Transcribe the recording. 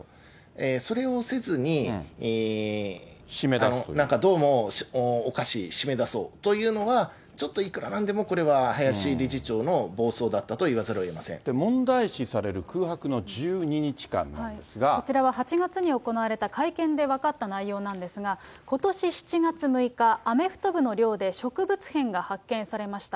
それをせずに、なんかどうもおかしい、締め出そうというのは、ちょっといくらなんでもこれは林理事長の暴走だったと言わざるを問題視される空白の１２日間こちらは８月に行われた会見で分かった内容なんですが、ことし７月６日、アメフト部の寮で植物片が発見されました。